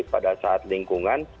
pada saat lingkungan